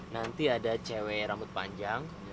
nanti ada cewek rambut panjang